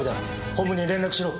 本部に連絡しろ。